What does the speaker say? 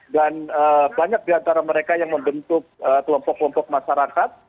dan banyak di antara mereka yang membentuk kelompok kelompok masyarakat